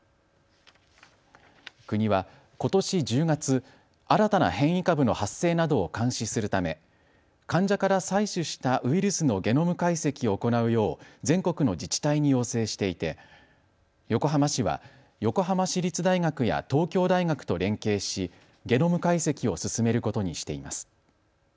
国はことし１０月、新たな変異株の発生などを監視するため患者から採取したウイルスのゲノム解析を行うよう全国の自治体に要請していて横浜市は横浜市立大学や東京大学と連携しゲノム解析を進めることにしています。